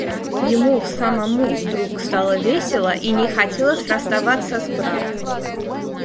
Ему самому вдруг стало весело и не хотелось расставаться с братом.